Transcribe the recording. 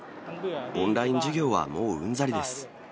オンライン授業はもううんざりです。